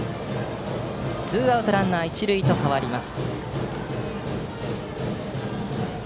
ツーアウトランナー、一塁と変わります。